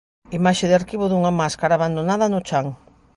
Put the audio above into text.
Imaxe de arquivo dunha máscara abandonada no chan.